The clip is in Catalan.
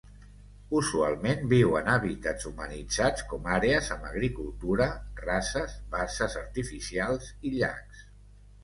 Usualment viu en hàbitats humanitzats com àrees amb agricultura, rases, basses artificials i llacs.